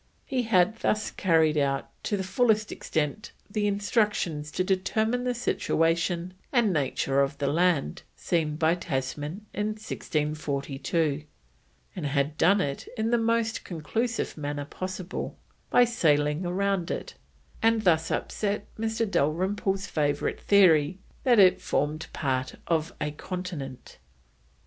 He had thus carried out to the fullest extent the instructions to determine the situation and nature of the land seen by Tasman in 1642, and had done it in the most conclusive manner possible by sailing round it and thus upset Mr. Dalrymple's favourite theory that it formed part of a continent.